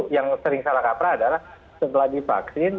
yang sering salah kaprah adalah setelah divaksin